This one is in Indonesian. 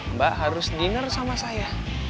mbak harus dinner sama saya